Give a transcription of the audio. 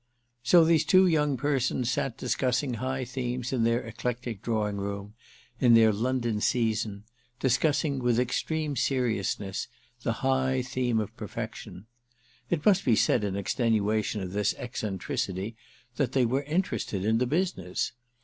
So these two young persons sat discussing high themes in their eclectic drawing room, in their London "season"—discussing, with extreme seriousness, the high theme of perfection. It must be said in extenuation of this eccentricity that they were interested in the business.